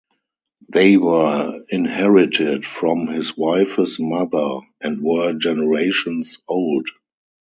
They were inherited from his wife's mother, and were generations old.